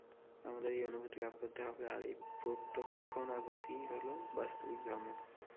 আমাদের এই অনুভূতি লাভ করতে হবে, আর এই প্রত্যক্ষানুভূতিই হল বাস্তবিক ধর্ম।